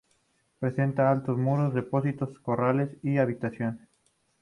Presenta altos muros, depósitos, corrales y habitaciones.